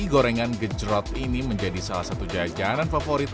gorengan gejrot ini menjadi salah satu jajanan favorit